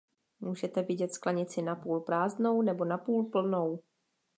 Můžete vidět sklenici napůl prázdnou, nebo napůl plnou.